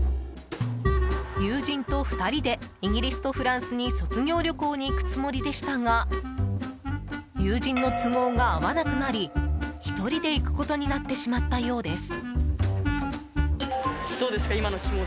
友人と２人でイギリスとフランスに卒業旅行に行くつもりでしたが友人の都合が合わなくなり１人で行くことになってしまったようです。